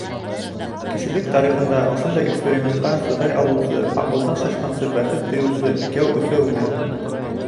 Кешелек тарихында ошондай экспериментҡа сыҙай алыусы, аҡылдан шашҡансы бәхет тойоусы икәү-өсәү генә!